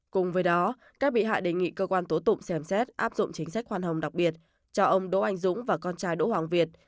cùng với đó các bị hại đề nghị cơ quan tố tụng xem xét áp dụng chính sách khoan hồng đặc biệt cho ông đỗ anh dũng và con trai đỗ hoàng việt